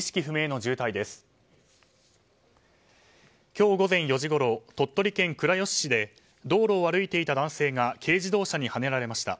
今日午前４時ごろ鳥取県倉吉市で道路を歩いていた男性が軽自動車にはねられました。